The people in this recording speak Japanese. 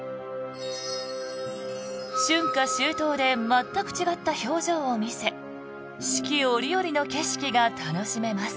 春夏秋冬で全く違った表情を見せ四季折々の景色が楽しめます。